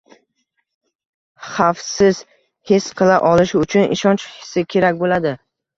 xavfsiz his qila olishi uchun ishonch hissi kerak bo‘ladi.